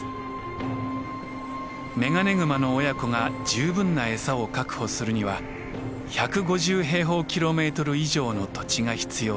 メガネグマの親子が十分な餌を確保するには１５０平方キロメートル以上の土地が必要です。